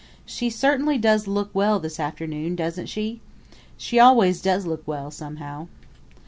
She certainly does look well this afternoon, doesn't she? She always does look well, somehow.